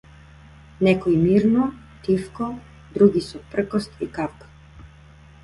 Некои мирно, тивко, други со пркос и кавга.